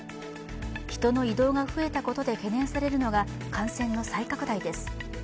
人の移動が増えたことで懸念されるのが、感染の再拡大です。